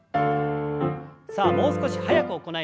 さあもう少し早く行います。